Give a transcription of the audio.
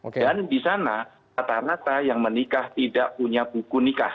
dan di sana rata rata yang menikah tidak punya buku nikah